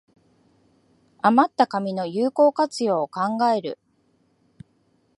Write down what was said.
あまった紙の有効活用を考える